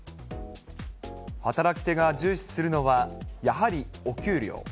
働き手が重視するのは、やはりお給料。